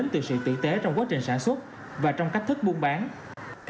từng năm trước